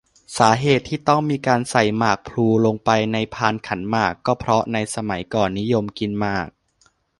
สาเหตุที่ต้องมีการใส่หมากพลูลงไปในพานขันหมาก ก็เพราะในสมัยก่อนนิยมกินหมาก